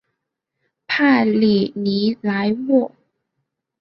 帕里尼莱沃。